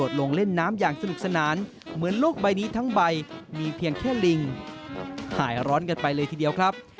แต่ที่จังหวัดราชบุรีอันนี้ไม่ต้องบังคับเลยนะครับ